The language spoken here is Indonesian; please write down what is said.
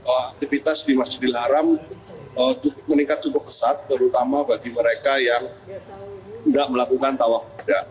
aktivitas di masjidil haram meningkat cukup pesat terutama bagi mereka yang tidak melakukan tawaf